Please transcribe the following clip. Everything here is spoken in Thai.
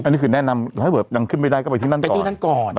อันนี้คือแนะนำถ้าเกิดยังขึ้นไปได้ก็ไปที่นั่นก่อน